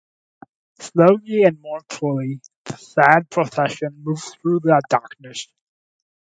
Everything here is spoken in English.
Slowly and mournfully the sad procession moves through the darkness.